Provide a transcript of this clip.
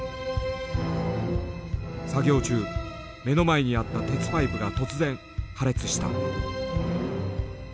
作業中目の前にあった鉄パイプが突然破裂した。